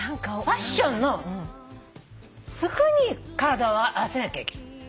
ファッションの服に体を合わせなきゃいけない。